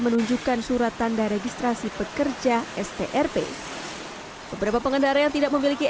menunjukkan surat tanda registrasi pekerja strp beberapa pengendara yang tidak memiliki